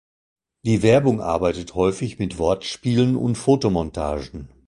Die Werbung arbeitet häufig mit Wortspielen und Fotomontagen.